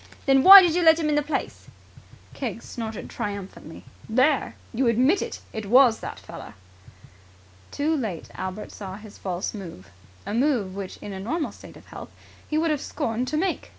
Then why did you let him into the place?" Keggs snorted triumphantly. "There! You admit it! It was that feller!" Too late Albert saw his false move a move which in a normal state of health, he would have scorned to make.